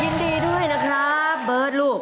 ยินดีด้วยนะครับเบิร์ตลูก